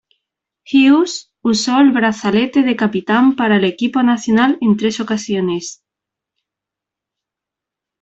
Hugues usó el brazalete de capitán para el equipo nacional en tres ocasiones.